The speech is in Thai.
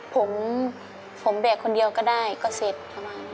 ผมผมแบกคนเดียวก็ได้ก็เสร็จ